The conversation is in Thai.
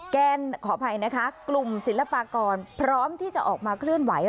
ขออภัยนะคะกลุ่มศิลปากรพร้อมที่จะออกมาเคลื่อนไหว